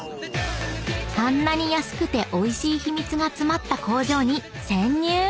［あんなに安くておいしい秘密が詰まった工場に潜入］